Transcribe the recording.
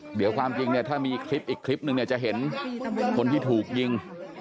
เดี๋ยวความจริงเนี่ยถ้ามีคลิปอีกคลิปนึงเนี่ยจะเห็นคนที่ถูกยิง